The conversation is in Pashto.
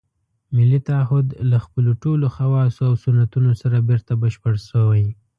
ملي تعهُد له خپلو ټولو خواصو او سنتونو سره بېرته بشپړ شوی.